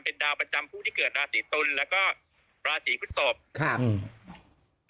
เป็นดาวประจำผู้ที่เกิดราศีตุลแล้วก็ราศีพฤศพครับ